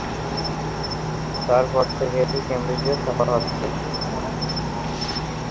তার পর থেকে এটি কেমব্রিজে ছাপা হচ্ছে।